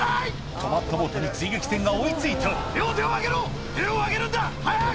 止まったボートに追撃船が追い付いた両手を上げろ手を上げるんだ早く！